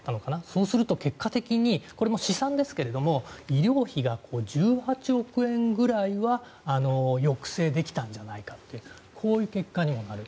そうすると結果的にこれも試算ですけれども医療費が１８億円くらいは抑制できたんじゃないかとこういう結果にもなる。